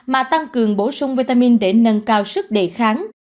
mà tăng cường bổ sung vitamin để nâng cao sức đề kháng